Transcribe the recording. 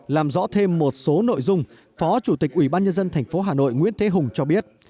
làm rõ thêm một số nội dung phó chủ tịch ubnd tp hà nội nguyễn thế hùng cho biết